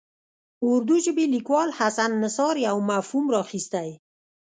اردو ژبي لیکوال حسن نثار یو مفهوم راخیستی.